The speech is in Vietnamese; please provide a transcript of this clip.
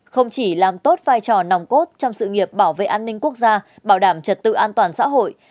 không chỉ làm tốt vai trò nòng cốt trong sự nghiệp bảo vệ an ninh quốc gia bảo đảm trật tự an toàn xã hội